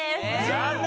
残念！